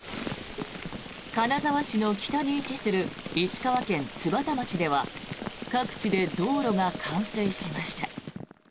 金沢市の北に位置する石川県津幡町では各地で道路が冠水しました。